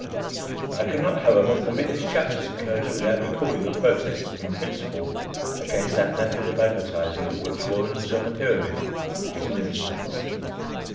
I cannot however permit this chapter to close without recording a protest in principle against that method of advertising of which Warren's on the Pyramid is an instance.